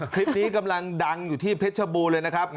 คลิปนี้กำลังดังอยู่ที่เพชรบูรณเลยนะครับ